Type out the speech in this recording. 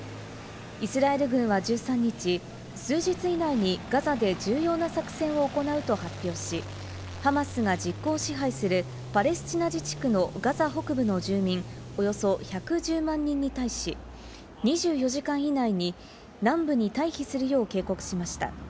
イスラエル軍は１３日、数日以内にガザで重要な作戦を行うと発表し、ハマスが実効支配するパレスチナ自治区のガザ北部の住民およそ１１０万人に対し、２４時間以内に南部に退避するよう警告しました。